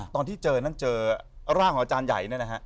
ตอนที่เจอนั่นเจอร่างของอาจารย์ใหญ่